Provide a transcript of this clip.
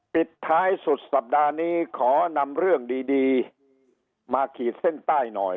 ปิดท้ายสุดสัปดาห์นี้ขอนำเรื่องดีมาขีดเส้นใต้หน่อย